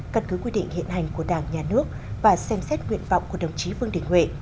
căn cứ quy định hiện hành của đảng nhà nước và xem xét nguyện vọng của đồng chí vương đình huệ